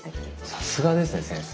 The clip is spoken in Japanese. さすがですね先生。